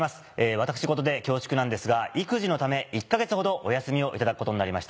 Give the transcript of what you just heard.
私事で恐縮なんですが育児のため１か月ほどお休みを頂くことになりました。